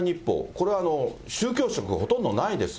これは宗教色ほとんどないです。